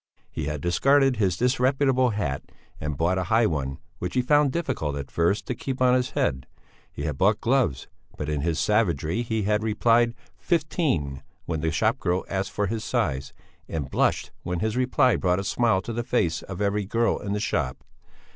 He had discarded his disreputable hat and bought a high one which he found difficult, at first, to keep on his head; he had bought gloves, but in his savagery he had replied "fifteen" when the shopgirl asked for his size, and blushed when his reply brought a smile to the face of every girl in the shop.